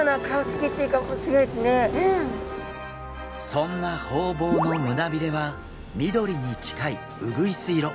そんなホウボウの胸びれは緑に近いうぐいす色。